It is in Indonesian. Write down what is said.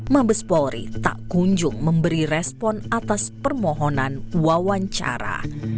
mabes polri tak kunjung memberi respon atas permohonan wawancara